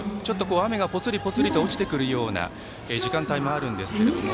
雨が、ぽつりぽつりと落ちてくるような時間帯もあるんですけれども